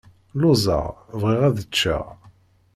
Lluẓeɣ, bɣiɣ ad ččeɣ.